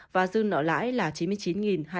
và dư nợ lãi là chín mươi chín hai trăm hai mươi tám tỷ đồng